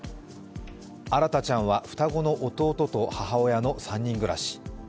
新大ちゃんは双子の弟と母親の３人暮らし。